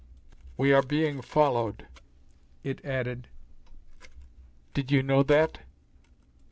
"We are being followed," it added. "Did you know that?"